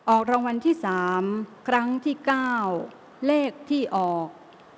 ออกรางวัลที่๓ครั้งที่๙เลขที่ออก